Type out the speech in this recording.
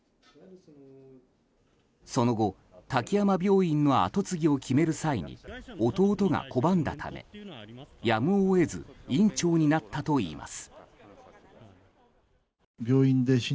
その後、滝山病院の後継ぎを決める際に弟が拒んだため、やむを得ず院長になったといいます。